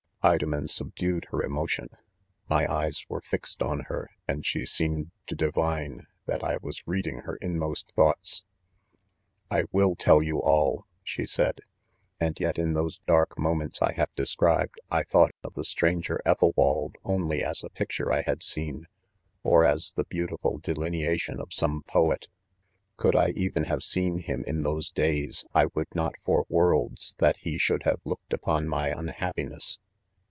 Women subdued her emotion* My eyes were £xed. on her, and she seemed to divine THE CONFESSIONS. 49 that I was reading her inmost thoughts. c I will tell you all, 3 she said, * and yet, in those dark moments I have described, I thought of the stranger Ethalwald, only as a picture I had seen, or as the beautiful delineation of some poet. 4 Could i even have seen him, in those days, I would not for worlds that he should have look ed upon my xmhaippiness.